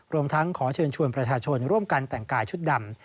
รวมทั้งขอเชิญชวนประชาชนร่วมกันแต่งกายชุดดำ